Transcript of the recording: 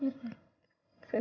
kita ke kamar dulu ya ayang